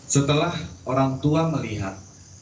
setelah orang tua melihat